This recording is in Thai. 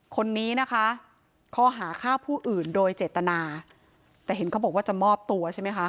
คนนี้นะคะข้อหาฆ่าผู้อื่นโดยเจตนาแต่เห็นเขาบอกว่าจะมอบตัวใช่ไหมคะ